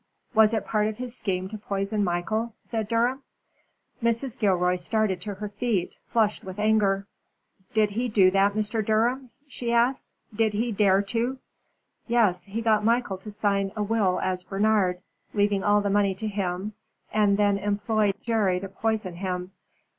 "Was it part of his scheme to poison Michael?" said Durham. Mrs. Gilroy started to her feet, flushed with anger. "Did he do that, Mr. Durham?" she asked. "Did he dare to " "Yes. He got Michael to sign a will as Bernard, leaving all the money to him, and then employed Jerry to poison him.